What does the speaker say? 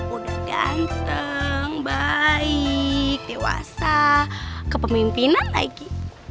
udah ganteng baik dewasa kepemimpinan lagi